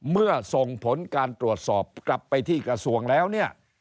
เมื่อส่งผลการตรวจสอบกลับไปที่กระทรวงแล้วเนี่ย